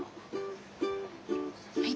はい。